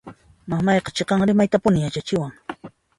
Mamayqa chiqan rimaytapuni yachachiwan.